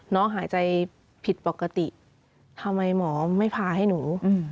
น้องหายใจผิดปกติทำไมหมอไม่พาให้หนู